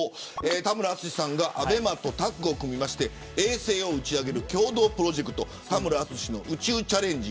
田村淳さんがＡＢＥＭＡとタッグを組みまして衛星を打ち上げる共同プロジェクト田村淳の宇宙チャレンジ